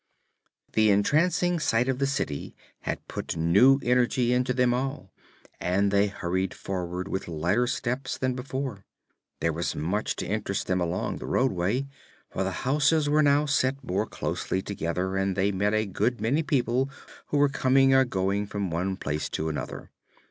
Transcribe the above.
The entrancing sight of the city had put new energy into them all and they hurried forward with lighter steps than before. There was much to interest them along the roadway, for the houses were now set more closely together and they met a good many people who were coming or going from one place or another.